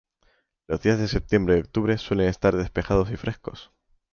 Los días de septiembre y octubre suelen estar despejados y frescos;